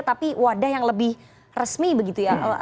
tapi wadah yang lebih resmi begitu ya